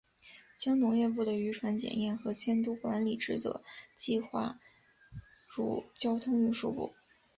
将农业部的渔船检验和监督管理职责划入交通运输部。